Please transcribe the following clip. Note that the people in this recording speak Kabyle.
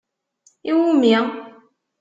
Iwumi?